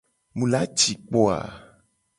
Mu la ci kpo o a?